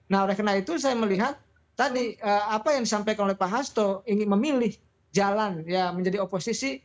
kalau rekena itu saya melihat tadi apa yang disampaikan oleh pak hasto ini memilih jalan menjadi oposisi